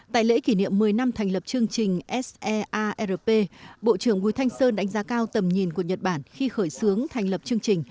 tại lễ kỷ niệm một mươi năm thành lập chương trình searp bộ trưởng bùi thanh sơn đánh giá cao tầm nhìn của nhật bản khi khởi xướng thành lập chương trình